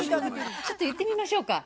ちょっと言ってみましょうか。